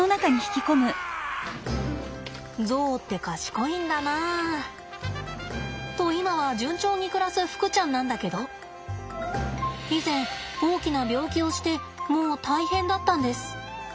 ゾウって賢いんだな。と今は順調に暮らすふくちゃんなんだけど以前大きな病気をしてもう大変だったんです。